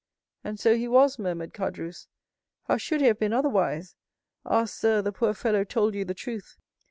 "And so he was," murmured Caderousse. "How should he have been otherwise? Ah, sir, the poor fellow told you the truth."